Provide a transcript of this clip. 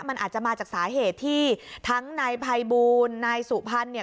มันอาจจะมาจากสาเหตุที่ทั้งนายภัยบูลนายสุพรรณเนี่ย